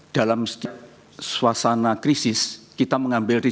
dalam setiap suasana krisis kita mengambil resiko